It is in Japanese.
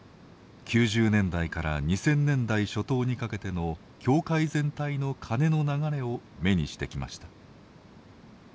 ９０年代から２０００年代初頭にかけての教会全体の金の流れを目にしてきました。